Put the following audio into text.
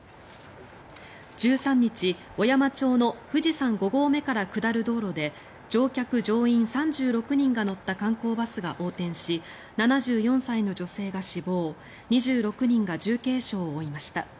１３日、小山町の富士山五合目から下る道路で乗客・乗員３６人が乗った観光バスが横転し７４歳の女性が死亡２６人が重軽傷を負いました。